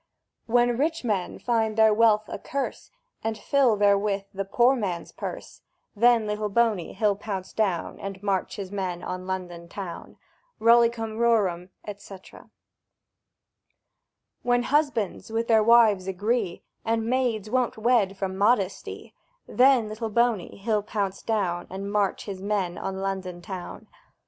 When Rich Men find their wealth a curse, And fill therewith the Poor Man's purse; Then Little Boney he'll pounce down, And march his men on London town! Rollicum rorum, &c. When Husbands with their Wives agree, And Maids won't wed from modesty; Then Little Boney he'll pounce down, And march his men on London town!